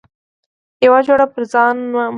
یوه جوړه پر ځان منم.